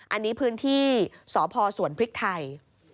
อันนี้พื้นที่สพสวนพริกไทย